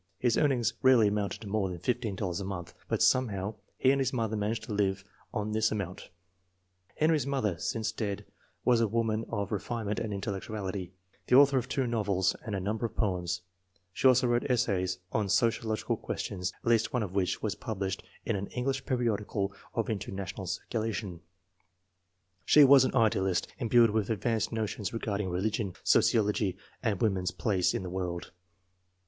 His earnings rarely amounted to more than $15 a month, but some how he and his mother managed to live on this amount. Henry's mother, since dead, was a woman of refine ment and intellectuality, the author of two novels and a number of poems. She also wrote essays on socio logical questions, at least one of which was published in an English periodical of international circulation. She was an idealist, imbued with advanced notions regarding religion, sociology, and woman's place in the world.